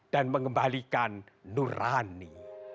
dan mengembalikan nurani